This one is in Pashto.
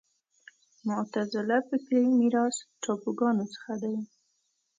معتزله فکري میراث تابوګانو څخه دی